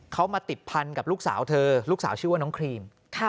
เขามาติดพันกับลูกสาวเธอลูกสาวชื่อว่าน้องครีม